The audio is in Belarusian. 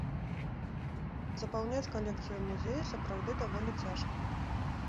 Запаўняць калекцыю музея сапраўды даволі цяжка.